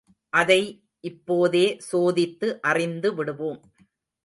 அதை இப்போதே சோதித்து அறிந்துவிடுவோம்.